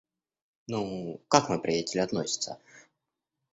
Ну, как мой приятель относится?